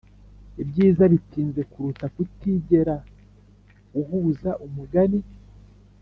ibyiza bitinze kuruta kutigera uhuza umugani